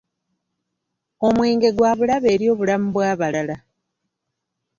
Omwenge gwa bulabe eri obulamu bw'abalala.